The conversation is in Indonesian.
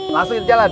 langsung kita jalan